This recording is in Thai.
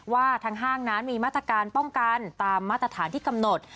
ว่าทางห้างนั้นมีมาตรการป้องกันตามมาตรฐานที่กำหนด